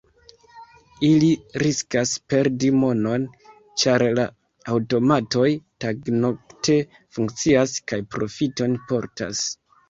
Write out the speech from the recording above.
Ili riskas perdi monon, ĉar la aŭtomatoj tagnokte funkcias kaj profiton portas.